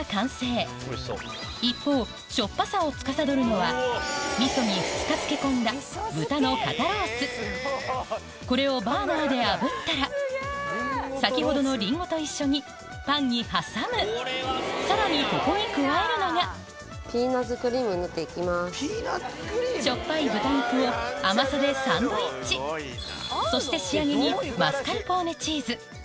一方しょっぱさをつかさどるのは味噌に２日漬け込んだ豚のこれをバーナーであぶったら先ほどのりんごと一緒にパンに挟むさらにここに加えるのがしょっぱい豚肉を甘さでサンドイッチそして仕上げに完成